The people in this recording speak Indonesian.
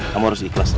kamu harus ikhlas